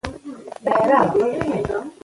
کلتور د افغانستان د فرهنګي فستیوالونو برخه ده.